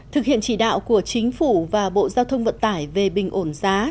thực hiện chỉ đạo của chính phủ và bộ giao thông vận tải về bình ổn giá